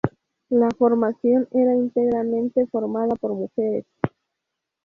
La formación era íntegramente formada por mujeres.